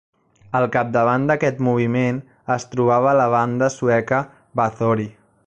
Al capdavant d'aquest moviment es trobava la banda sueca Bathory.